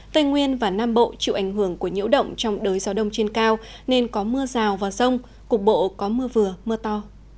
tây nguyên và nam bộ chịu ảnh hưởng của nhiễu động trong đới gió đông trên cao nên có mưa rào và rông cục bộ có mưa vừa mưa to